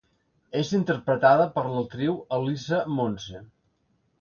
És interpretada per l'actriu Elisa Monse.